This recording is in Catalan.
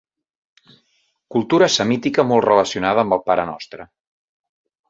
Cultura semítica molt relacionada amb el parenostre.